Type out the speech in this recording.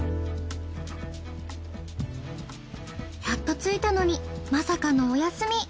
やっと着いたのにまさかのお休み。